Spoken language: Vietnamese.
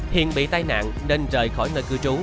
hiền bị tai nạn nên rời khỏi nơi cư trú